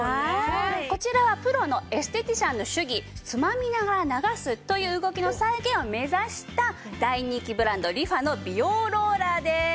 こちらはプロのエステティシャンの手技つまみながら流すという動きの再現を目指した大人気ブランドリファの美容ローラーです。